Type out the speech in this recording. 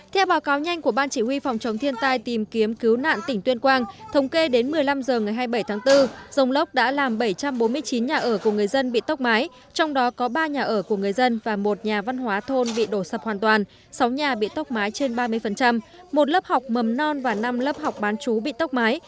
theo báo cáo nhanh của ban chỉ huy phòng chống thiên tai tìm kiếm cứu nạn tỉnh tuyên quang thống kê đến một mươi năm h ngày hai mươi bảy tháng bốn rông lốc đã làm bảy trăm bốn mươi chín nhà ở của người dân bị tốc mái trong đó có ba nhà ở của người dân và một nhà văn hóa thôn bị đổ sập hoàn toàn sáu nhà bị tốc mái trên ba mươi một lớp học mầm non và năm lớp học bán chú bị tốc mái